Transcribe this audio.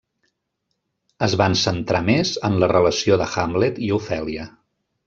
Es van centrar més en la relació de Hamlet i Ofèlia.